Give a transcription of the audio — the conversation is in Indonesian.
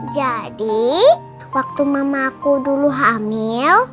jadi waktu mama aku dulu hamil